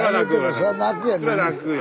そりゃ泣くよ。